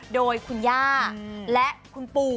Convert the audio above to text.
โดยคุณย่าและคุณปู่